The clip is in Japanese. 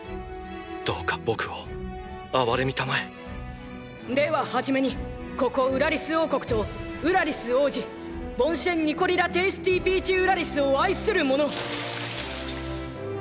どうか僕を憐れみたまえでは初めにここウラリス王国とウラリス王子ボンシェン・ニコリ・ラ・テイスティピーチ＝ウラリスを愛する者。